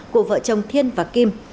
của vợ chồng thiên và kim